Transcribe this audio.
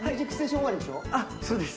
そうです。